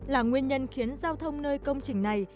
là nguyên nhân khiến giao thông nơi công trình này